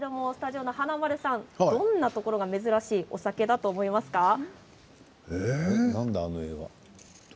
スタジオの華丸さん、どんなところが珍しいお酒だと思いますか。